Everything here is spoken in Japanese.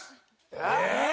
えっ？